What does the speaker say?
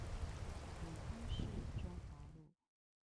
永康市中華路